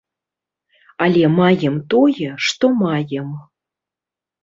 Але маем тое, што маем.